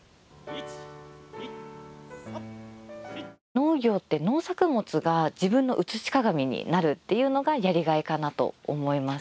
農業って農作物が自分の映し鏡になるっていうのがやりがいかなと思います。